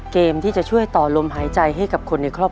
เกมที่จะช่วยต่อลมหายใจให้กับคุณ